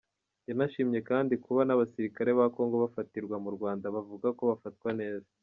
Yanashimye kandi kuba n’abasirikare ba Congo bafatirwa mu Rwanda bavuga ko bafatwa neza.